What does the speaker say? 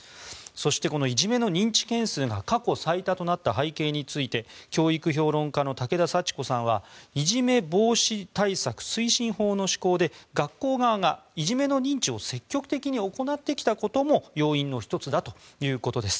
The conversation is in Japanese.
そして、いじめの認知件数が過去最多となった背景について教育評論家の武田さち子さんはいじめ防止対策推進法の施行で学校側がいじめの認知を積極的に行ってきたことも要因の１つだということです。